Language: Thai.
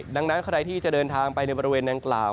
ดังนั้นใครที่จะเดินทางไปในบริเวณดังกล่าว